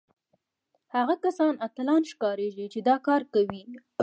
هغه کسان اتلان ښکارېږي چې دا کار کوي